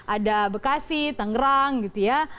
ada bekasi tangerang gitu ya